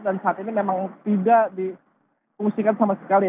dan saat ini memang tidak dipungsikan sama sekali